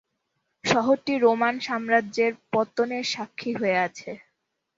শহরটি রোমান সাম্রাজ্যের পতনের সাক্ষী হয়ে আছে।